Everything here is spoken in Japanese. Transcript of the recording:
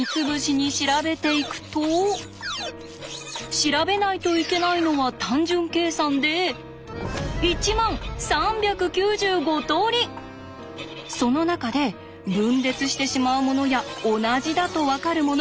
調べないといけないのは単純計算でその中で分裂してしまうものや同じだと分かるもの